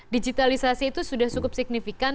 digitalisasi itu sudah cukup signifikan